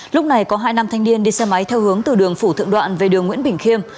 lúc này có hai nam thanh niên đi xe máy theo hướng từ đường phủ thượng đoạn về đường nguyễn bình khiêm